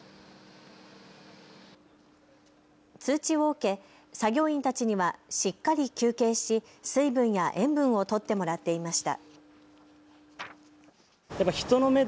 通知を受け作業員たちにはしっかり休憩し、水分や塩分をとってもらっていました。